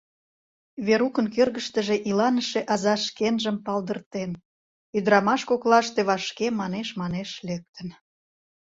Верукын кӧргыштыжӧ иланыше аза шкенжым палдыртен, ӱдырамаш коклаште вашке манеш-манеш лектын.